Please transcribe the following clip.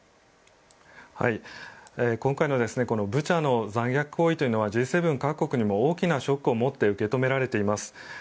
今回のブチャの残虐行為というのはＧ７各国にも大きなショックを持って受け止められています。